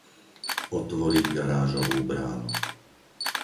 Otvoriť garážovú bránu.